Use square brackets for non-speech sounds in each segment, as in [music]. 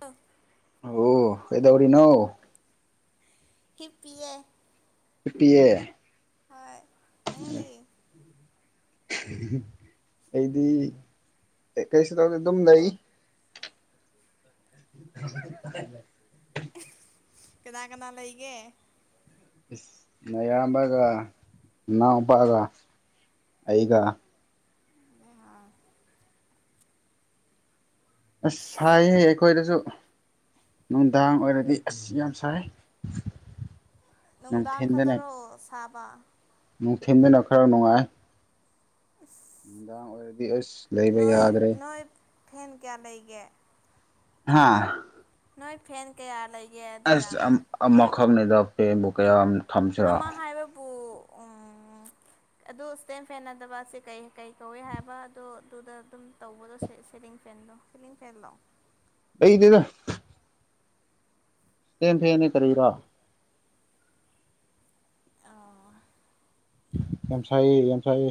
ꯑ ꯑꯣ ꯀꯩꯗꯧꯔꯤꯅꯣ ꯍꯤꯞꯄꯤꯌꯦ ꯍꯤꯞꯄꯤꯌꯦ ꯍꯣꯏ ꯅꯪꯗꯤ [unintelligible] ꯑꯩꯗꯤ ꯀꯩꯁꯨ ꯇꯧꯗꯦ ꯑꯗꯨꯝ ꯂꯩ [inaudible] ꯀꯅꯥ ꯀꯅꯥ ꯂꯩꯒꯦ ꯏꯁ ꯅꯌꯥꯝꯕꯒ ꯅꯥꯎꯄꯥꯒ ꯑꯩꯒ ꯑꯁ ꯁꯥꯏꯌꯦ ꯑꯩꯈꯣꯏꯗꯁꯨ ꯅꯨꯡꯗꯥꯡ ꯑꯣꯏꯔꯗꯤ ꯑꯁ ꯌꯥꯝ ꯁꯥꯏ ꯅꯨꯡꯗꯥꯡ ꯅꯨꯡꯊꯤꯟꯗꯅ ꯈꯛꯇꯔꯣ ꯁꯥꯕ ꯅꯨꯡꯊꯤꯟꯗꯅ ꯈꯔ ꯅꯨꯡꯉꯥꯏ ꯅꯨꯡꯗꯥꯡ ꯑꯣꯏꯔꯗꯤ ꯑꯁ ꯂꯩꯕ ꯅꯣꯏ ꯌꯥꯗ꯭ꯔꯦ ꯅꯣꯏ ꯐꯦꯟ ꯀꯌꯥ ꯂꯩꯒꯦ ꯍꯥꯥ ꯅꯣꯏ ꯐꯦꯟ ꯀꯌꯥ ꯂꯩ ꯑꯁ ꯑꯝ ꯑꯃꯈꯛꯅꯦꯗ ꯐꯦꯟꯕꯨ ꯀꯌꯥꯝ ꯊꯝꯁꯤꯔꯥ ꯑꯃ ꯍꯥꯏꯕꯕꯨ ꯎꯝ ꯑꯗꯨ ꯁ꯭ꯇꯦꯟ ꯐꯦꯟꯅꯗꯕ ꯑꯁꯤ ꯀꯩ ꯀꯩ ꯀꯧꯋꯦ ꯍꯥꯏꯕ ꯑꯗꯨ ꯑꯗꯨꯗ ꯑꯗꯨꯝ ꯇꯧꯕꯗꯣ ꯁꯦ ꯁꯦ ꯐꯦꯟꯗꯣ ꯁꯤꯂꯤꯡ ꯐꯦꯟꯂꯣ ꯍꯩꯗꯦꯅ ꯐꯦꯟ ꯐꯦꯟ ꯗꯤ ꯀꯔꯤꯔꯥ ꯑꯣ ꯌꯥꯝ ꯁꯥꯢꯑꯦ ꯌꯥꯝ ꯁꯥꯏꯑꯦ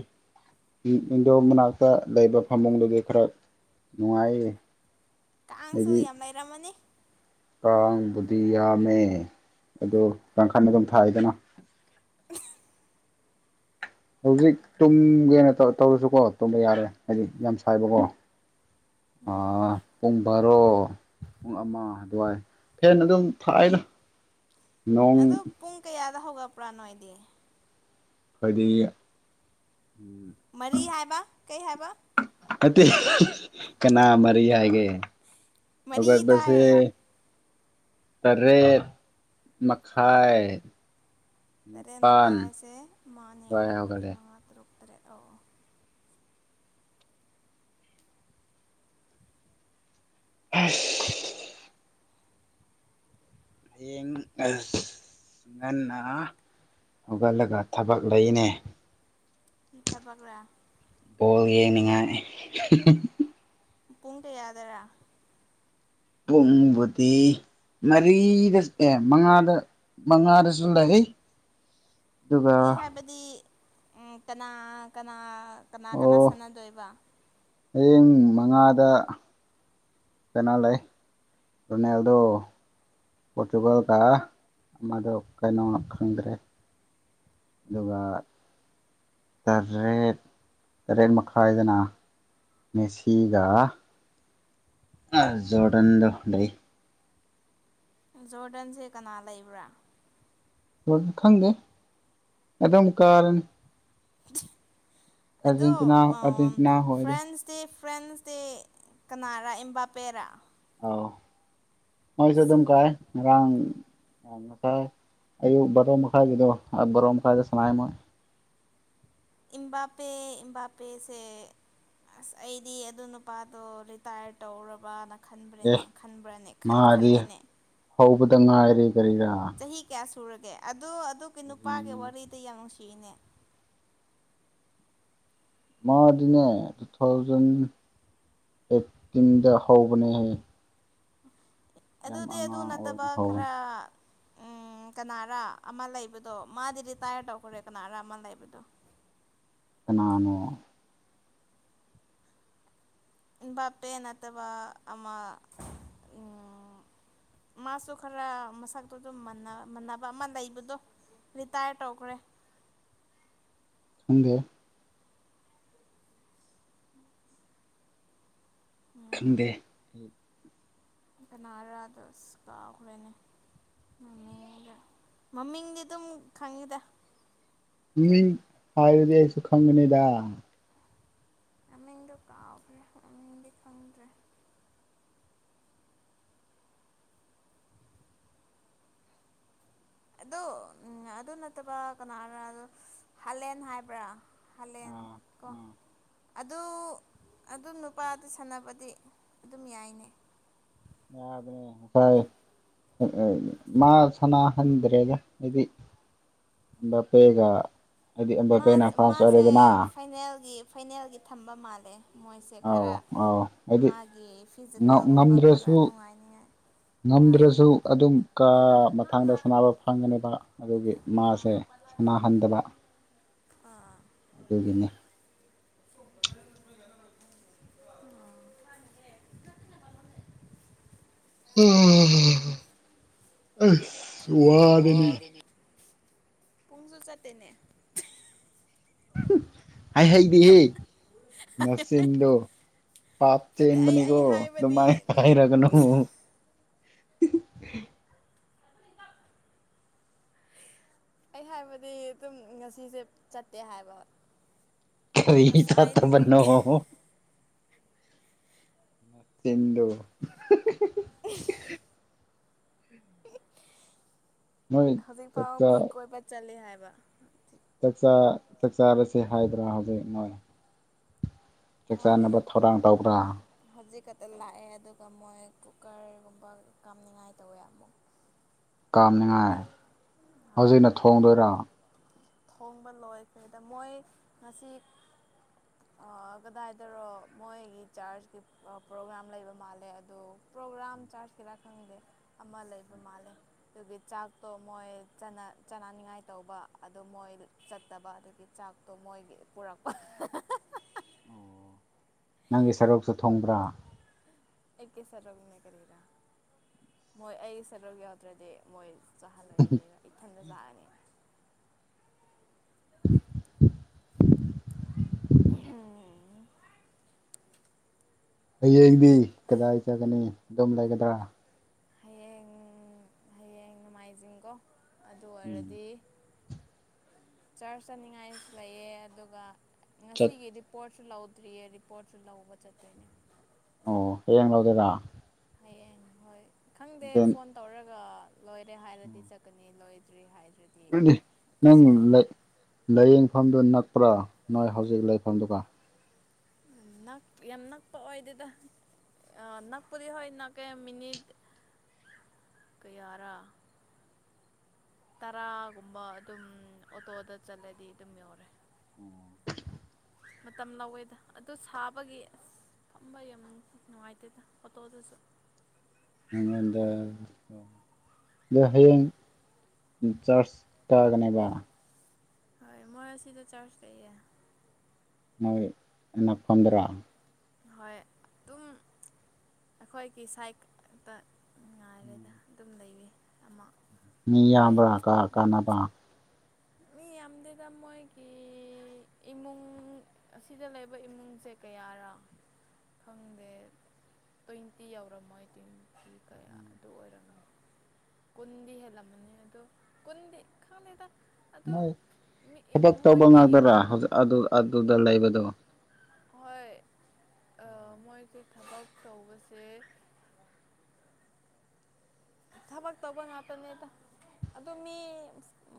ꯢꯟ ꯏꯟꯗꯣ ꯃꯅꯥꯛꯇ ꯂꯩꯕ ꯐꯃꯨꯡꯗꯨꯗꯤ ꯈꯔ ꯅꯨꯡꯉꯥꯏꯑꯦ ꯀꯥꯡꯁꯨꯨ ꯌꯥꯝ ꯂꯩꯔꯝꯃꯅꯤ ꯀꯥꯡꯕꯨꯗꯤ ꯌꯥꯝꯃꯦ ꯑꯗꯨ ꯀꯥꯡꯈꯟ ꯑꯗꯨꯝ ꯊꯥꯏꯗꯅ [inaudible] ꯍꯧꯖꯤꯛ ꯇꯨꯝꯒꯦꯅ ꯇꯧꯔꯁꯨꯀꯣ ꯇꯨꯝꯕ ꯌꯥꯔꯣꯏ ꯍꯥꯏꯗꯤ ꯌꯥꯝ ꯁꯥꯏꯕꯀꯣ ꯑꯥ ꯄꯨꯡꯕꯥꯔꯣ ꯄꯨꯡ ꯑꯃ ꯑꯗꯨꯋꯥꯏ ꯐꯦꯟ ꯑꯗꯨꯝ ꯊꯥꯏꯅ ꯑꯗꯣ ꯄꯨꯡ ꯀꯌꯥꯗ ꯍꯧꯒꯠꯄ꯭ꯔꯥ ꯅꯣꯏꯗꯤ ꯈꯣꯏꯗꯤ ꯃꯔꯤ ꯍꯥꯏꯕ ꯀꯩ ꯍꯥꯏꯕ ꯑꯠꯇꯦ ꯀꯅꯥ ꯃꯔꯤ ꯍꯥꯏꯒꯦ ꯃꯔꯤ ꯍꯧꯒꯠꯄꯁꯦ ꯇꯥꯏꯌꯦ ꯇꯔꯦꯠ ꯃꯈꯥꯏ ꯇꯔꯦꯠ ꯅꯤꯄꯥꯟ ꯃꯈꯥꯏ ꯍꯥꯏꯁꯦ ꯃꯥꯅꯤ ꯑꯗꯨꯋꯥꯏ ꯑꯍꯨꯝ ꯃꯔꯤ ꯍꯧꯒꯠꯂꯦ ꯃꯉꯥ ꯇꯔꯨꯛ ꯇꯔꯦꯠ ꯑꯣ ꯍꯩꯁ ꯍꯌꯦꯡ ꯑꯁ ꯉꯟꯅ ꯍꯧꯒꯠꯂꯒ ꯊꯕꯛ ꯂꯩꯅꯦ ꯀ꯭ꯔꯤ ꯊꯕꯛꯂ ꯕꯣꯜ ꯌꯦꯡꯅꯤꯡꯉꯥꯏ ꯄꯨꯡ ꯀꯌꯥꯗꯔ ꯄꯨꯡꯕꯨꯗꯤ ꯃꯔꯤꯗ ꯑꯦ ꯃꯉꯥꯗ ꯃꯉꯥꯗꯁꯨ ꯂꯩ [inaudible] ꯑꯗꯨꯒ ꯑꯩ ꯍꯥꯏꯕꯗꯤ ꯎ ꯀꯅꯥ ꯀꯅꯥ ꯀꯅꯥ ꯑꯣ ꯀꯅꯥ ꯁꯥꯟꯅꯗꯣꯏꯕ ꯍꯌꯦꯡ ꯃꯉꯥꯗ ꯀꯨꯅꯣ ꯂꯩ ꯔꯣꯅꯥꯜꯗꯣ ꯄꯣꯔꯇꯨꯒꯜ ꯒ ꯑꯃꯗꯣ ꯀꯩꯅꯣ ꯈꯪꯗ꯭ꯔ ꯑꯗꯨꯒ ꯇꯔꯦꯠ ꯇꯔꯦꯠ ꯃꯈꯥꯏꯗꯅ ꯃꯦꯁꯤꯒ ꯖꯣꯔꯗꯟꯗꯣ ꯂꯩ ꯖꯣꯔꯗꯟꯁꯦ ꯀꯅꯥ ꯂꯩꯕ꯭ꯔꯥ ꯈꯪꯗꯦ ꯑꯗꯨꯝ ꯀꯥꯔꯅꯤ ꯑꯗꯣ ꯑꯥꯔꯖꯦꯟꯇꯤꯅꯥ ꯑꯥꯔꯖꯦꯟꯇꯤꯅꯥ ꯍꯣꯏꯗꯣ ꯐ꯭ꯔꯦꯟꯁꯇꯤ ꯐ꯭ꯔꯦꯟꯁꯇꯤ ꯀꯅꯥꯔꯥ ꯏꯝꯕꯥꯄꯦꯔꯥ ꯑꯣ ꯃꯣꯏꯁꯨ ꯑꯗꯨꯝ ꯀꯥꯏ ꯉꯔꯥꯡ ꯉꯁꯥꯏ ꯑꯌꯨꯛ ꯕꯔꯣ ꯃꯈꯥꯏꯒꯤꯗꯣ ꯕꯔꯣ ꯃꯈꯥꯏꯒꯤꯗꯣ ꯁꯅꯩ ꯃꯣꯏ ꯏꯝꯕꯥꯄꯦ ꯏꯝꯕꯥꯄꯦꯁ ꯑꯁ ꯑꯩꯗꯤ ꯑꯗꯨ ꯅꯨꯄꯥꯗꯣ ꯔꯤꯇꯥꯌꯔ ꯇꯧꯔꯕ ꯑꯦ ꯈꯟꯕ꯭ꯔꯅꯦ ꯈꯟꯕ꯭ꯔꯅꯦ ꯈꯟ ꯃꯥꯗꯤ ꯈꯜꯂꯦꯅꯦ ꯀꯔꯤꯔ ꯆꯍꯤ ꯀꯌꯥ ꯁꯨꯔꯒꯦ ꯑꯗꯨ ꯑꯗꯨꯒꯤ ꯅꯨꯄꯥꯒꯤ ꯋꯥꯔꯤꯗꯤ ꯌꯥꯝ ꯅꯨꯡꯁꯤꯅꯦ ꯃꯥꯗꯤꯅꯦ ꯇꯨ ꯊꯥꯎꯖꯟ ꯑꯦꯇꯤꯟꯗ ꯍꯧꯕꯅꯦ ꯍꯥꯏꯌꯦ ꯑꯗꯨꯗꯤ ꯑꯗꯨ ꯅꯠꯇꯕ ꯑꯣꯏꯅ ꯍꯧꯕꯅꯤ ꯈꯔ ꯎꯝ ꯀꯅꯥꯔ ꯑꯃ ꯂꯩꯕꯗꯣ ꯃꯗꯤ ꯔꯤꯇꯥꯏꯌ꯭ꯔ ꯇꯧꯈ꯭ꯔꯦ ꯀꯅꯥꯔ ꯑꯃ ꯂꯩꯕꯗꯣ [inaudible] ꯀꯥꯅꯅꯣ ꯏꯝꯕꯥꯄꯦ ꯅꯠꯇꯕ ꯑꯃ ꯎꯝ ꯃꯥꯁꯨ ꯈꯔ ꯃꯁꯛꯇꯣ ꯑꯗꯨꯝ ꯃꯅ ꯑꯃ ꯂꯩꯕꯗꯣ ꯔꯤꯇꯥꯌꯔ ꯇꯧꯒ꯭ꯔꯦ ꯈꯪꯗꯦ ꯈꯪꯗꯦ ꯀꯅꯔꯥ ꯑꯗꯣ ꯑꯁ ꯀꯎꯈ꯭ꯔꯦꯅꯦ ꯃꯃꯤꯡꯗꯤ ꯑꯗꯨꯝ ꯈꯪꯉꯤꯗ ꯑꯗꯣ ꯃꯤꯡ ꯍꯥꯏꯔꯗꯤ ꯑꯩꯁꯨ ꯈꯪꯒꯅꯤꯗ ꯃꯃꯤꯡꯗꯣ ꯀꯎꯈ꯭ꯔꯦ ꯃꯃꯤꯡꯗꯤ ꯈꯪꯗ꯭ꯔꯦ ꯑꯗꯨ ꯎꯝ ꯑꯗꯨ ꯅꯠꯇꯕ ꯀꯩꯅꯔꯥ ꯍꯥꯂꯦꯟ ꯍꯥꯏꯕ꯭ꯔꯥ ꯑꯥ ꯍꯂꯦꯟꯀꯣ ꯑꯥ ꯑꯗꯨ ꯑꯗꯨꯝ ꯅꯨꯄꯥꯗꯨ ꯁꯥꯟꯅꯕꯗꯤ ꯑꯗꯨꯝ ꯌꯥꯏꯅꯦ ꯌꯕꯅꯦ ꯉꯁꯥꯏ ꯃꯥ ꯁꯅꯥꯍꯟꯗ꯭ꯔꯦꯗ ꯍꯥꯏꯗꯤ [unintelligible] ꯄꯦꯒ ꯃꯥ ꯃꯥꯁꯦ ꯐꯥꯏꯅꯦꯜꯒꯤ ꯐꯥꯏꯅꯦꯜꯒꯤ ꯊꯝꯕ ꯃꯥꯜꯂꯦ ꯃꯣꯏꯁꯦ ꯑꯧ ꯈꯔ ꯑꯧ ꯍꯥꯏꯗꯤ ꯃꯥꯒꯤ ꯐꯤꯖꯤꯀꯦꯜꯒꯨꯝꯕ ꯈꯔ ꯉꯝꯗ꯭ꯔꯁꯨ ꯅꯨꯡꯉꯥꯏꯅꯤꯉꯥꯏ ꯍꯣꯏ ꯉꯝꯗ꯭ꯔꯁꯨ ꯑꯗꯨꯝ ꯀꯥ ꯃ ꯊꯪꯗ ꯁꯥꯟꯅꯕ ꯐꯪꯒꯅꯦꯕ ꯑꯗꯨꯒꯤ ꯃꯥꯁꯦ ꯁꯥꯟꯅꯍꯟꯗꯕ ꯑꯥ ꯑꯗꯨꯒꯤꯅꯤ ꯑꯍ ꯑꯁ ꯋꯥꯔꯦꯅꯦ ꯄꯨꯡꯁꯨꯨ ꯆꯠ ꯇꯦꯅꯦ ꯍꯨꯡ ꯍꯩꯍꯩꯗꯦꯍꯦ ꯅꯆꯤꯟꯗꯣ ꯄꯥꯞ ꯅꯠꯇꯦ ꯑꯩ ꯑꯩ ꯆꯟꯕꯅꯤꯀꯣ ꯍꯥꯏꯕꯗꯤ ꯑꯗꯨꯃꯥꯏ ꯍꯏꯔꯒꯅꯨ [inaudible] ꯑꯩ ꯍꯥꯏꯕꯗꯤ ꯑꯗꯨꯝ ꯉꯁꯤꯁꯦ ꯆꯠꯇꯦ ꯍꯥꯏꯕ ꯀꯔꯤꯒꯤ ꯉꯁꯥꯏꯗꯒꯤ ꯆꯠꯇꯕꯅꯣ ꯅꯆꯤꯟꯗꯣ [inaudible] ꯅꯣꯏ ꯍꯧꯖꯤꯛ ꯐꯥꯎ ꯆꯥꯛꯆꯥ ꯃꯤ ꯀꯣꯏꯕ ꯆꯠꯂꯦ ꯍꯥꯏꯕ ꯆꯥꯛꯆꯥ ꯆꯥꯛꯆꯥꯥꯔꯁꯦ ꯍꯥꯏꯗ꯭ꯔꯥ ꯍꯧꯖꯤꯛ ꯃꯣꯏ ꯆꯥꯛ ꯃꯣꯏ ꯆꯥꯅꯕ ꯊꯧꯔꯥꯡ ꯇꯧꯕ꯭ꯔꯥ ꯍꯧꯖꯤꯛ ꯈꯛꯇ ꯂꯥꯛꯑꯦ ꯑꯗꯨꯒ ꯃꯣꯏ ꯀꯨꯀꯔꯒꯨꯝꯕ ꯀꯥꯝꯅꯤꯡꯉꯥꯏ ꯇꯧꯋꯦ ꯑꯃꯨꯛ ꯀꯥꯝꯅꯤꯡꯉꯥꯏ ꯍꯣꯏ ꯍꯧꯖꯤꯛꯅ ꯊꯣꯡꯗꯣꯏꯔꯥ ꯊꯣꯡꯕ ꯂꯣꯏꯈ꯭ꯔꯤꯗ ꯃꯣꯏ ꯉꯁꯤ ꯑꯥ ꯀꯗꯥꯏꯗꯔꯣ ꯃꯣꯏꯒꯤ ꯆꯥꯔꯆꯀꯤ ꯄ꯭ꯔꯣꯒ꯭ꯔꯥꯝ ꯂꯩꯕ ꯃꯥꯜꯂꯦ ꯑꯗꯣ ꯄ꯭ꯔꯣꯒ꯭ꯔꯥꯝ ꯆꯥꯔꯖꯀꯤꯔꯥ ꯈꯪꯗꯦ ꯑꯃ ꯂꯩꯕ ꯃꯥꯜꯂꯦ ꯑꯗꯨꯒꯤ ꯆꯥꯛꯇꯣ ꯃꯣꯏ ꯆꯅ ꯆꯥꯅꯅꯤꯡꯉꯥꯏ ꯇꯧꯕ ꯑꯗꯨꯗ ꯃꯣꯏ ꯆꯠꯇꯕ ꯑꯗꯨꯒꯤ ꯆꯥꯛꯇꯣ ꯃꯣꯏꯒꯤ ꯄꯨꯔꯛꯄ ꯅꯪꯒꯤ ꯁꯔꯨꯛꯁꯨ ꯊꯨꯡꯕ꯭ꯔꯥ ꯑꯩ ꯀꯤ ꯁꯔꯨꯛꯅꯦ ꯀꯔꯤꯔ ꯃꯣꯏ ꯑꯩ ꯁꯔꯨꯛ ꯌꯥꯎꯗ꯭ꯔꯗꯤ ꯃꯣꯏ ꯆꯥꯍꯜꯂꯣꯏꯌꯦ ꯀꯔꯤꯔ ꯏꯊꯟꯗ ꯆꯥꯔꯅꯤ [inaudible] ꯍꯌꯦꯡꯗꯤ ꯀꯗꯥꯏ ꯆꯠꯒꯅꯤ ꯑꯗꯨꯝ ꯂꯩꯒꯗ꯭ꯔꯥ ꯍꯌꯦꯡ ꯍꯌꯦꯡ ꯅꯣꯡꯃꯥꯏꯖꯤꯡꯀꯣ ꯑꯗꯨ ꯎꯝ ꯑꯣꯏꯔꯗꯤ ꯆꯔꯁ ꯆꯠꯅꯤꯡꯉꯥꯏ ꯂꯩꯑꯦ ꯑꯗꯨꯒ ꯆꯠ ꯉꯁꯤꯒꯤꯗꯤ ꯄꯣꯠꯇ ꯁꯨ ꯂꯧꯗ꯭ꯔꯤꯌꯦ ꯔꯤꯄꯣꯔꯠꯁꯨ ꯂꯧꯕ ꯆꯠꯇꯣꯏꯅꯦ ꯑꯣ ꯍꯌꯦꯡ ꯂꯧꯗꯣꯏꯔꯥ ꯍꯌꯦꯡ ꯍꯣꯏ ꯈꯪꯗꯦ ꯐꯣꯟ ꯇꯧꯔꯒ ꯂꯣꯏꯔꯦ ꯍꯥꯏꯔꯗꯤ ꯆꯠꯀꯅꯤ ꯂꯣꯏ ꯅꯤ ꯅꯪ ꯂꯥ ꯇꯧꯔꯦ ꯂꯥꯏꯌꯦꯡꯐꯝꯗꯣ ꯅꯛ ꯄ꯭ꯔꯥ ꯅꯣꯏ ꯍꯧꯖꯤꯛ ꯂꯩꯐꯝꯗꯨꯒꯥ ꯅꯛ ꯌꯥꯝ ꯅꯛꯄ ꯑꯣꯏꯗꯦꯗ ꯑꯥ ꯅꯛꯄꯨꯗꯤ ꯍꯣꯏ ꯅꯛꯑꯦ ꯃꯤꯅꯤꯠ ꯀꯌꯥꯔꯥ ꯇꯔꯥꯒꯨꯝꯕ ꯑꯗꯨꯝ ꯑꯣꯇꯣꯗ ꯆꯠꯂꯗꯤ ꯑꯗꯨꯝ ꯌꯧꯔꯦ ꯑꯣ ꯃꯇꯝ ꯂꯧꯋꯦꯗ ꯑꯗꯣ ꯁꯥꯕꯒꯤ ꯑꯁ ꯐꯝꯕꯩ ꯑꯃꯨꯛ ꯅꯨꯡꯉꯥꯏꯇꯦꯗ ꯑꯣꯇꯣꯗꯨꯁꯨ ꯅꯉꯣꯟꯗ ꯍꯌꯦꯡ ꯆꯔꯁ ꯀꯥꯒꯅꯦꯕ ꯍꯥꯏ ꯃꯣꯏ ꯑꯁꯤꯗ ꯆꯔꯁ ꯂꯩꯌꯦ ꯅꯣꯏ ꯑꯅꯛꯐꯝꯗꯔꯥ ꯍꯣꯏ ꯑꯗꯨꯝ ꯑꯩꯈꯣꯏꯒꯤ ꯁꯥꯏꯛꯇ ꯎꯝ ꯃꯤ ꯃꯣꯏ ꯌꯥꯝꯕ꯭ꯔꯥ ꯀꯥ ꯀꯥꯅꯕ ꯃꯤ ꯌꯥꯝ ꯗꯦꯗ ꯃꯣꯏꯒꯤ ꯏꯃꯨꯡ ꯑꯁꯤꯗ ꯂꯩꯕ ꯏꯃꯨꯡꯁꯦ ꯀꯌꯥꯔꯥ ꯈꯪꯗꯦ ꯇ꯭ꯋꯦꯟꯇꯤ ꯌꯧꯔꯝꯃꯣꯏ ꯗꯩ ꯀꯌꯥ ꯑꯗꯨ ꯑꯣꯏꯔꯝ ꯀꯨꯟꯗꯤ ꯍꯦꯜꯂꯝꯃꯅꯤ ꯑꯗꯨꯝ ꯀꯨꯟꯗꯤ ꯈꯪꯗꯦꯗ ꯑꯗꯨ ꯃꯣꯏ ꯃꯤ ꯊꯕꯛ ꯇꯧꯕ ꯃꯣꯏꯒꯤ ꯉꯥꯛꯇꯔꯥ ꯏꯃꯨꯡ ꯑꯗꯨ ꯑꯗꯨꯗ ꯂꯩꯕꯗꯣ ꯍꯣꯏ ꯑꯥ ꯃꯣꯏꯒꯤ ꯊꯕꯛ ꯇꯧꯕꯁꯦ ꯊꯕꯛ ꯇꯧꯕ ꯉꯥꯛꯇꯅꯦꯗ ꯑꯗꯨ ꯃꯤ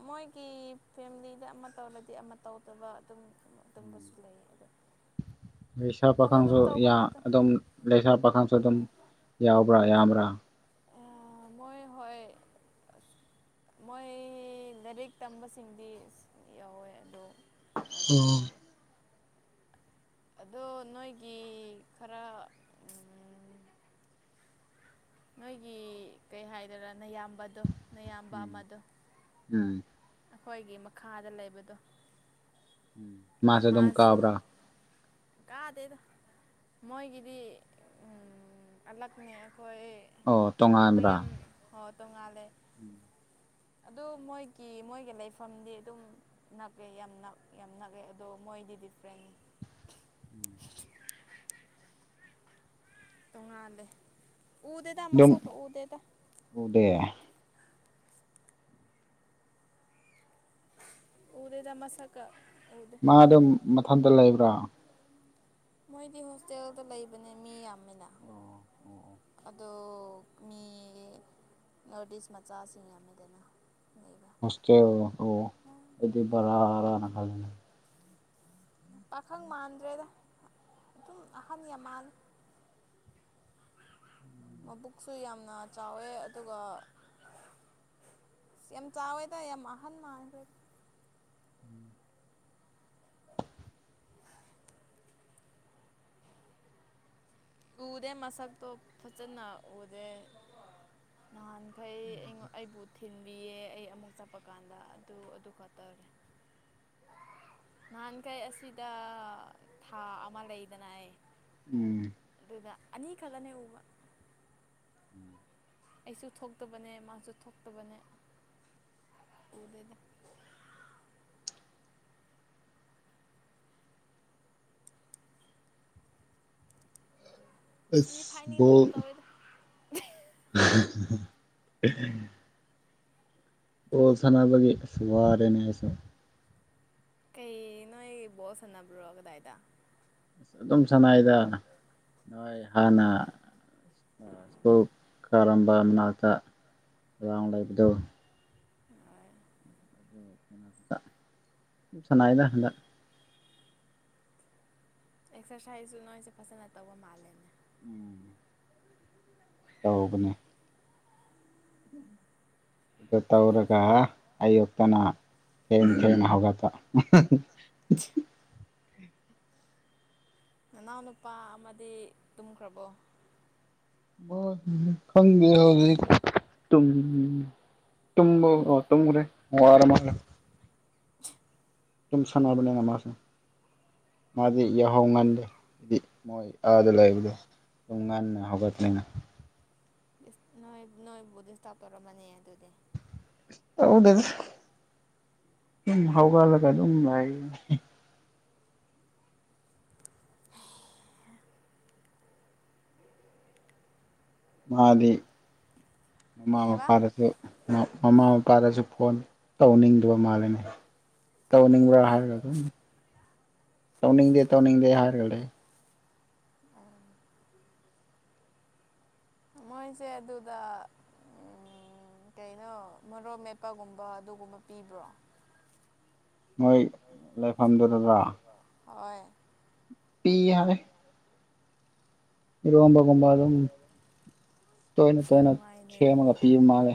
ꯃꯣꯏꯒꯤ ꯐꯦꯝꯂꯤꯗ ꯑꯃ ꯇꯧꯔꯗꯤ ꯑꯃ ꯇꯧꯗꯕ ꯑꯗꯨꯝ ꯎꯝ ꯑꯗꯨꯝꯕꯁꯨ ꯂꯩ ꯑꯗꯣ ꯂꯩꯁꯥ ꯊꯕꯛ ꯑꯗꯨꯝ ꯄꯥꯈꯪꯁꯨ ꯇꯧꯕ ꯌꯥ ꯉꯥꯛꯇ ꯑꯗꯨꯝ ꯂꯩꯁꯥ ꯄꯥꯈꯪꯁꯨ ꯑꯗꯨꯝ ꯌꯥꯎꯕ꯭ꯔꯥ ꯌꯥꯝꯕ꯭ꯔꯥ ꯑꯥ ꯃꯣꯏ ꯍꯣꯏ ꯃꯣꯏ ꯂꯥꯔꯤꯛ ꯇꯝꯕꯁꯤꯡꯗꯤ ꯌꯥꯎꯋꯦ ꯑꯗꯣ ꯃꯣꯏꯗꯤ ꯂꯩꯇ꯭ꯔꯦ ꯑꯣ ꯑꯗꯣ ꯅꯣꯏꯒꯤ ꯈꯔ ꯎꯝ [inaudible] ꯅꯣꯏꯒꯤ ꯀꯩ ꯍꯥꯏꯗꯣꯏꯔ ꯅꯌꯥꯝꯕꯗꯣ ꯅꯌꯥꯝꯕ ꯎꯝ ꯑꯃꯗꯣ ꯑꯈꯣꯏꯒꯤ ꯃꯈꯥꯗ ꯂꯩꯕꯗꯣ ꯃꯥꯁꯨ ꯑꯗꯨꯝ ꯀꯥꯕ꯭ꯔꯥ ꯀꯥꯗꯦꯗ ꯃꯣꯏꯒꯤꯗꯤ ꯎꯝ ꯑꯅꯛꯄꯅꯦ ꯑꯣ ꯇꯣꯉꯥꯟꯕ꯭ꯔꯥ ꯍꯣ ꯇꯣꯡꯉꯥꯜꯂꯦ [inaudible] ꯑꯗꯨ ꯃꯣꯏꯒꯤ ꯃꯣꯏꯒꯤ ꯂꯩꯐꯝꯗꯤ ꯑꯗꯨꯝ ꯅꯛꯑꯦ ꯌꯥꯝ ꯅꯛ ꯌꯥꯝ ꯅꯛꯑꯦ ꯑꯗꯣ ꯃꯣꯏꯗꯤ ꯗꯤꯐ꯭ꯔꯦꯟ [inaudible] ꯇꯣꯡꯉꯥꯜꯂꯦ ꯎꯗꯦꯗ ꯑꯗꯨꯝ ꯃꯁꯛꯀ ꯎꯗꯦꯗ ꯎꯗꯦ ꯎꯗꯦꯗ ꯃꯁꯛꯀ ꯎꯗꯦ ꯃꯥꯗꯣ ꯃꯊꯟꯇ ꯂꯩꯕ꯭ꯔꯥ ꯃꯣꯏꯗꯤ ꯍꯣꯁꯇꯦꯜꯗ ꯂꯩꯕꯅꯦ ꯃꯤ ꯌꯥꯝꯃꯤꯟ ꯑꯗꯣ ꯃꯤ ꯅꯣꯔꯠ ꯏꯁ ꯃꯆꯥꯁꯤ ꯌꯥꯝꯃꯤꯗꯅ ꯂꯩꯕ ꯍꯣꯁꯇꯦꯜ ꯑꯣ ꯑꯗꯨꯗꯔꯥꯅ ꯈꯜꯂꯤꯅꯦ ꯄꯥꯈꯪ ꯃꯥꯟꯗ꯭ꯔꯦꯗ ꯑꯗꯨꯝ ꯑꯍꯟ ꯌꯥꯝ ꯃꯥꯜꯂꯦ ꯃꯕꯨꯛꯁꯨ ꯌꯥꯝꯅ ꯆꯥꯎꯋꯦ ꯑꯗꯨꯒ ꯌꯥꯝ ꯆꯥꯎꯋꯦꯗ ꯌꯥꯝ ꯑꯍꯟ ꯃꯥꯟꯈ꯭ꯔꯦ ꯎꯗꯦ ꯃꯁꯛꯇꯣ ꯐꯖꯟꯅ ꯎꯗꯦ ꯅꯍꯥꯟ ꯑꯩ ꯑꯩꯉꯣ ꯑꯩꯕꯨ ꯊꯤꯟꯕꯤꯌꯦ ꯑꯩ ꯑꯃꯨꯛ ꯆꯠꯄ ꯀꯥꯟꯗ ꯑꯗꯨ ꯑꯗꯨ ꯈꯇꯔ ꯅꯦ ꯅꯍꯥꯟꯈꯩ ꯑꯁꯤꯗ ꯊꯥ ꯑꯃ ꯂꯩꯗꯅ ꯑꯩ ꯎꯝ ꯑꯗꯨꯗ ꯑꯅꯤ ꯈꯛꯈꯅꯦ ꯎꯕ ꯎꯝ ꯑꯩꯁꯨ ꯊꯣꯛꯇꯕꯅꯦ ꯃꯥꯁꯨ ꯊꯣꯛꯇꯕꯅꯦ ꯎꯗꯦꯗ ꯊꯤ ꯑꯁ ꯐꯥꯏꯅꯤꯡꯕꯒꯨꯝ ꯕꯣꯜ ꯇꯧꯋꯦꯗ ꯍꯍ ꯕꯣꯜ ꯁꯥꯅꯕꯒꯤ ꯑꯁ ꯋꯥꯔꯦꯅꯦ ꯑꯩꯁꯨ ꯏ ꯅꯣꯢ ꯕꯣꯜ ꯁꯥꯅꯕ꯭ꯔꯣ ꯀꯗꯥꯏꯗ ꯑꯗꯨꯝ ꯁꯥꯅꯩꯗ ꯅꯣꯏ ꯍꯥꯟꯅ ꯁ꯭ꯀꯨꯜ ꯀꯥꯔꯝꯕ ꯃꯅꯥꯛꯇ ꯒ꯭ꯔꯥꯎꯟ ꯂꯩꯕꯗꯨ ꯍꯣꯏ ꯑꯗꯨ ꯃꯅꯥꯛꯇ ꯑꯗꯨꯝ ꯁꯥꯅꯩꯗ ꯍꯟꯗꯛ ꯑꯦꯛꯁ꯭ꯔꯁꯥꯏꯖꯁꯨ ꯅꯣꯏꯁꯦ ꯐꯖꯅ ꯇꯧꯕ ꯃꯥꯜꯂꯦꯅꯦ ꯎꯝ ꯇꯧꯕꯅꯦ ꯑꯗꯨ ꯐꯩ ꯇꯧꯔꯒ ꯐꯩ ꯑꯌꯨꯛ ꯇꯅ ꯊꯦꯡ ꯊꯦꯡꯅ ꯍꯧꯒꯠꯄ ꯅꯅꯥꯎ ꯅꯨꯄꯥ ꯑꯃꯗꯤ ꯇꯨꯝꯈ꯭ꯔꯕꯣ ꯃꯥ ꯈꯪꯗꯦ ꯍꯧꯖꯤꯛ ꯇꯨꯝ ꯇꯨꯝꯕ ꯑꯥ ꯇꯨꯝꯒ꯭ꯔꯦ ꯋꯥꯔꯃꯥꯜꯂꯦ ꯇꯨꯝ ꯁꯟꯅꯕꯅꯤꯅ ꯃꯥꯁꯨ ꯃꯥꯗꯤ ꯌꯥꯍꯧ ꯉꯟꯂꯦ ꯍꯥꯏꯗꯤ ꯃꯣꯏ ꯑꯥꯗ ꯂꯩꯕꯗꯣ ꯗꯨꯝ ꯉꯟꯅ ꯍꯧꯒꯠꯂꯤꯅ ꯅꯣꯏ ꯅꯣꯏꯕꯨꯗꯤ ꯗꯤꯁꯇꯥꯞ ꯇꯧꯔꯝꯃꯅꯤ ꯑꯗꯨꯗꯤ ꯇꯧꯗꯦꯗ ꯇꯨꯝ ꯍꯧꯒꯠꯂꯒ ꯑꯗꯨꯝ ꯂꯩꯕꯅꯦ ꯃꯥꯗꯤ ꯃꯃꯥ ꯀꯩꯑꯕ ꯃꯄꯥꯗꯁꯨ ꯃꯃꯥ ꯃꯄꯥꯗꯁꯨ ꯐꯣꯟ ꯇꯧꯅꯤꯡꯗꯕ ꯃꯥꯜꯂꯦꯅꯦ ꯇꯧꯅꯤꯡꯕ꯭ꯔꯥ ꯍꯥꯏꯔꯒ ꯑꯗꯨꯝ ꯇꯧꯅꯤꯡꯗꯦ ꯇꯧꯅꯤꯡꯗꯦ ꯍꯥꯏꯔꯒ ꯂꯩ ꯃꯣꯏꯁꯦ ꯑꯗꯨꯗ ꯑꯝ ꯎꯝ ꯀꯩꯅꯣ ꯃꯔꯣꯛ ꯃꯦꯠꯄꯒꯨꯝꯕ ꯑꯗꯨꯒꯨꯝꯕ ꯄꯤꯕ꯭ꯔꯣ ꯃꯣꯏ ꯂꯩꯐꯝꯗꯨꯗꯔ ꯍꯣꯏ ꯄꯤ ꯌꯥꯔꯦ ꯏꯔꯣꯝꯕꯒꯨꯝꯕ ꯑꯗꯨꯝ ꯇꯣꯏꯅ ꯇꯣꯏꯅ ꯅꯨꯡꯉꯥꯏꯅꯦ ꯁꯦꯝꯃꯒ ꯑꯗꯨꯗꯤ ꯄꯤꯕ ꯃꯥꯜꯂꯦ